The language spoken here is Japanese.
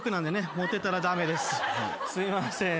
すいません。